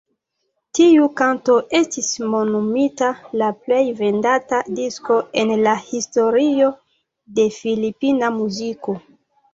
Tiu kanto estis nomumita la plej vendata disko en la historio de filipina muziko.